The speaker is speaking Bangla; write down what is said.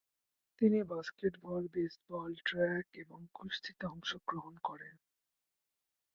তিনি বাস্কেটবল, বেসবল, ট্র্যাক এবং কুস্তিতে অংশগ্রহণ করেন।